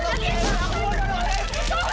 kamu diri apa